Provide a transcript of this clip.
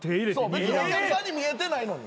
別にお客さんに見えてないのに。